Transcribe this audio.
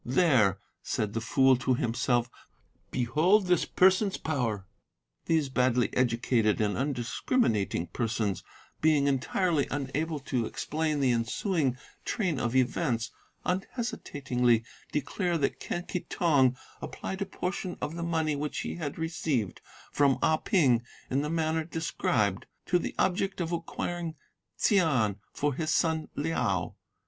"There," said the fool to himself, "behold this person's power!"' These badly educated and undiscriminating persons, being entirely unable to explain the ensuing train of events, unhesitatingly declare that Quen Ki Tong applied a portion of the money which he had received from Ah Ping in the manner described to the object of acquiring Ts'ain for his son Liao.